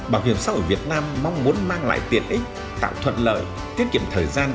bảo hiểm xã hội việt nam mong muốn mang lại tiện ích tạo thuận lợi tiết kiệm thời gian